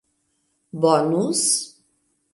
bonus